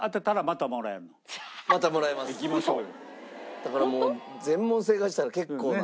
だからもう全問正解したら結構な。